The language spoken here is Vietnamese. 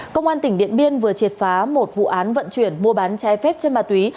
công an tỉnh điện biên vừa triệt phá một vụ án vận chuyển mua bán trái phép trên ma túy